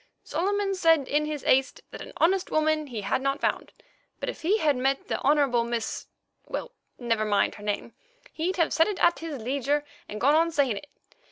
Solomon said in his haste that an honest woman he had not found, but if he had met the Honourable Miss—well, never mind her name—he'd have said it at his leisure, and gone on saying it.